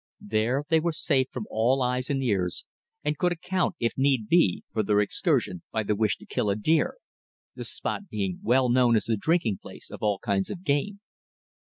There they were safe from all eyes and ears, and could account, if need be, for their excursion by the wish to kill a deer, the spot being well known as the drinking place of all kinds of game.